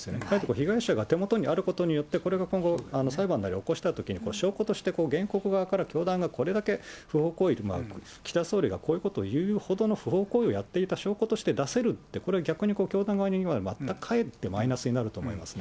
被害者が手元にあることによって、これが今後、裁判なり、起こしたときに証拠として原告側から教団がこれだけ不法行為である、岸田総理がこういうことを言うほどの不法行為をやっていた証拠として出せるって、これ逆に教団側には全くかえってマイナスになると思いますね。